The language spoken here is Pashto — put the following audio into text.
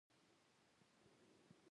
دوی د وطن پالنې روحیه نه لري.